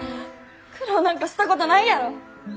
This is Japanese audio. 苦労なんかしたことないやろ！